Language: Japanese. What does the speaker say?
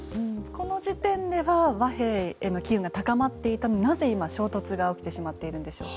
この時点では和平への機運が高まっていたのになぜ今、衝突が起きてしまっているんでしょう。